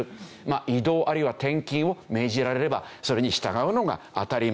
異動あるいは転勤を命じられればそれに従うのが当たり前。